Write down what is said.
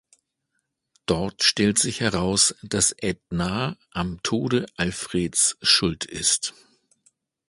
Dort stellt sich heraus, dass Edna am Tode Alfreds schuld ist.